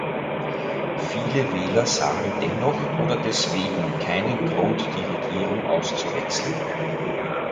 Viele Wähler sahen dennoch oder deswegen keinen Grund, die Regierung auszuwechseln.